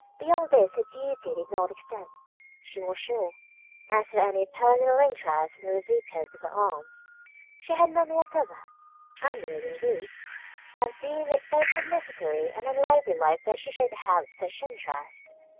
Beyond this her duty did not extend, she was sure. As for any personal interest in the recipients of her alms, she had none whatever; and would, indeed, have deemed it both unnecessary and unladylike that she should have had such interest.